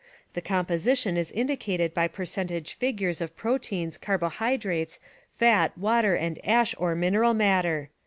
The composition is indicated by percentage figures of proteins, carbo hydrates, fat, water and ash or mineral matter.